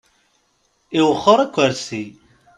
Iwexxer akersi.